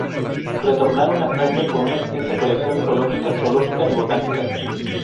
Retornaron a Francia con una extensa colección geológica, zoológica y botánica.